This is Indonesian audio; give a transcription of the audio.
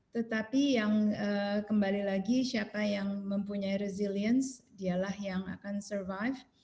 tetapi yang kembali lagi siapa yang mempunyai resilience dialah yang akan survive